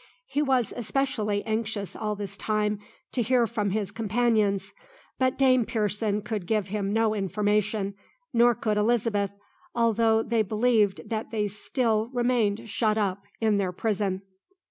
He was especially anxious all this time to hear from his companions; but Dame Pearson could give him no information, nor could Elizabeth, although they believed that they still remained shut up in their prison.